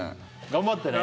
頑張ってね。